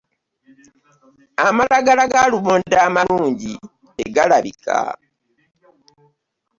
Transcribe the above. Amakagala galumonde amalungi tegalabika.